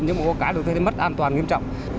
nhưng mà có cái được thấy mất an toàn nghiêm trọng